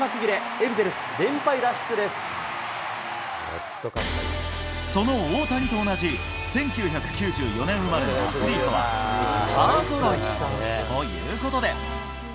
エンゼルス、その大谷と同じ、１９９４年生まれのアスリートは、スターぞろい。ということで。